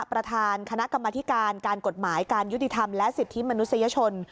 ประธานคณะกรรมธิการการกฎหมายการยุติธรรมและสิทธิมนุษยชน